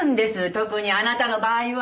特にあなたの場合は！